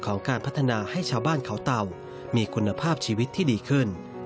ของการพัฒนาให้ชาวบ้านเขาเต่ามีคุณภาพชีวิตที่ดีขึ้น